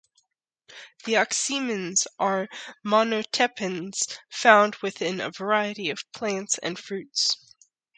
The ocimenes are monoterpenes found within a variety of plants and fruits.